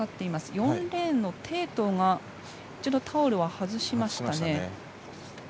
４レーンの鄭濤が一度、タオルを外しましたね。